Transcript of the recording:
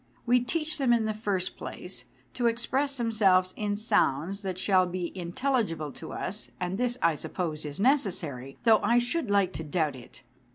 We teach them in the first place to express themselves in sounds that shall be intelligible to us, and this, I suppose, is necessary, though I should like to doubt it.